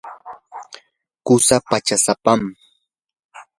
qusaa pachasapam.